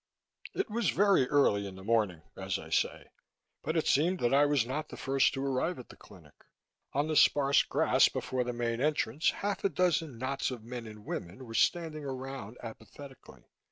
It was very early in the morning, as I say, but it seemed that I was not the first to arrive at the clinic. On the sparse grass before the main entrance, half a dozen knots of men and women were standing around apathetically.